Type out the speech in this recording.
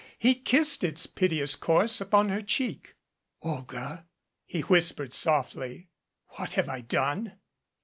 He kissed its piteous course upon her cheek. "Olga !" he whispered softly. "What have I done?"